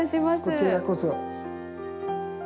こちらこそ。